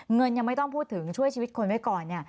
เงินยังไม่ต้องพูดถึงช่วยชีวิตคนไว้ก่อน